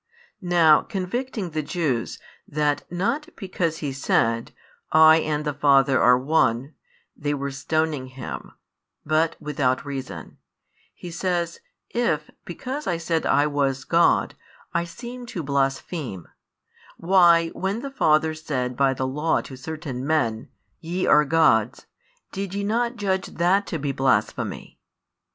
Now convicting the Jews, that not because He said: I and the Father are One, they were stoning Him, but without reason; He says: "If, because I said I was God, 1 seem to blaspheme; why, when the Father said by the Law to certain men: Ye are gods, did ye not judge that to be blasphemy?"